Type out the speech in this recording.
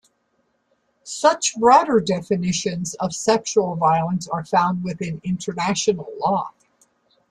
Such broader definitions of sexual violence are found within international law.